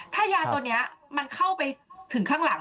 ถ้ายาตัวนี้มันเข้าไปถึงข้างหลัง